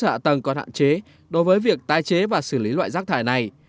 rác thải điện tử còn được quan tâm bởi cơ sở hạ chế đối với việc tai chế và xử lý loại rác thải này